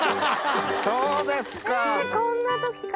そうですか！